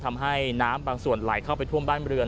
ทำให้น้ำบางส่วนไหลเข้าไปท่วมบ้านเรือน